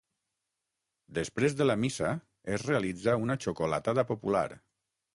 Després de la missa es realitza una xocolatada popular.